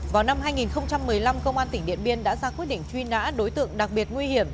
vào năm hai nghìn một mươi năm công an tỉnh điện biên đã ra quyết định truy nã đối tượng đặc biệt nguy hiểm